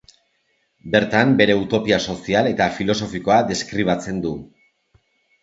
Bertan bere utopia sozial eta filosofikoa deskribatzen du.